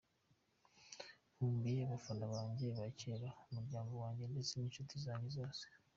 Nkumbuye abafana banjye ba kera, umuryango wanjye ndetse n’inshuti zanjye zose.